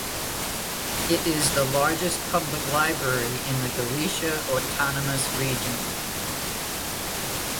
It is the largest public library in the Galicia Autonomous Region.